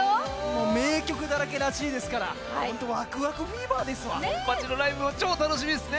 もう名曲だらけらしいですからホントワクワクフィーバーですわモンパチのライブも超楽しみですね